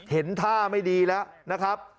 เห็นท่าไม่ดีแล้วนะครับ